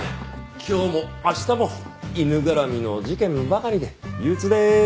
今日も明日も犬絡みの事件ばかりで憂鬱でーす。